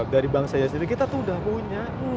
dari bangsa yang sendiri kita tuh udah punya